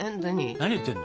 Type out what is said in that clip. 何言ってんの？